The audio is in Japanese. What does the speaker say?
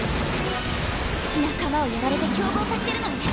仲間をやられて凶暴化してるのね。